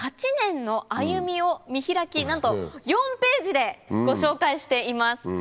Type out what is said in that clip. ８年の歩みを見開きなんと４ページでご紹介しています。